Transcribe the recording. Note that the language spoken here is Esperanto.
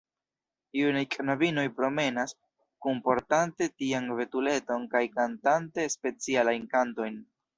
Junaj knabinoj promenas, kunportante tian betuleton kaj kantante specialajn kantojn.